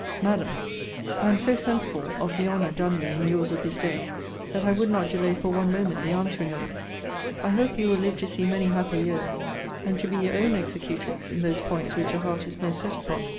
MADAM, I am so sensible of the honour done me in your's of this day, that I would not delay for one moment the answering of it. I hope you will live to see many happy years; and to be your own executrix in those points which your heart is most set upon.